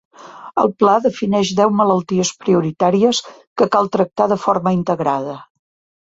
El Pla defineix deu malalties prioritàries que cal tractar de forma integrada.